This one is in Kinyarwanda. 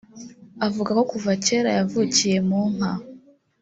Avuga ko kuva kera yavukiye mu nka